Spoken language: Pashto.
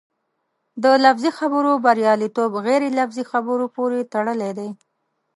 د لفظي خبرو بریالیتوب غیر لفظي خبرو پورې تړلی دی.